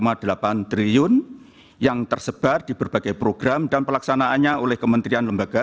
rp lima delapan triliun yang tersebar di berbagai program dan pelaksanaannya oleh kementerian lembaga